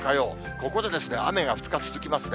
ここでですね、雨が２日続きますね。